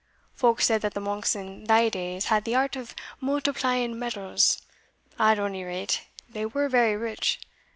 Folk said that the monks in thae days had the art of multiplying metals at ony rate, they were very rich.